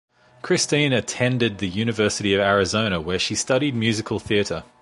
Christine attended the University of Arizona where she studied musical theater.